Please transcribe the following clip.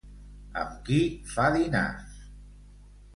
Amb qui fa dinars?